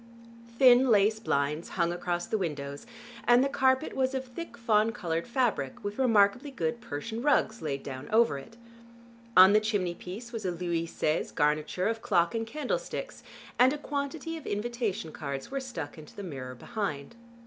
Thin lace blinds hung across the windows, and the carpet was of thick fawn colored fabric with remarkably good Persian rugs laid down over it. On the chimney piece was a Louis Seize garniture of clock and candlesticks, and a quantity of invitation cards were stuck into the mirror behind.